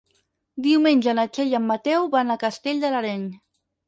Diumenge na Txell i en Mateu van a Castell de l'Areny.